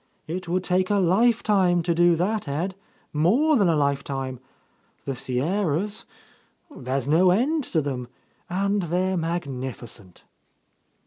"It would take a life time to do that, Ed, more than a life time. The Sierras, — there's no end to them, and they're magnificent."